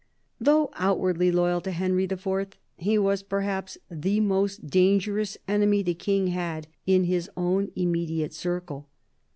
Though outwardly loyal to Henry IV., he was perhaps the most dangerous enemy the King had in his own immediate circle.